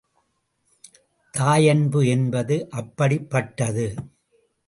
தாயன்பு என்பது அப்படிப்பட்டது.